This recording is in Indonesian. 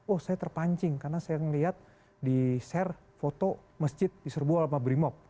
oh saya terpancing karena saya ngelihat di share foto masjid di serbuol sama brimob